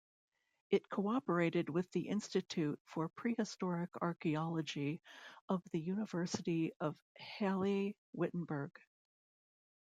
It cooperated with the Institute for Prehistoric Archaeology of the University of Halle-Wittenberg.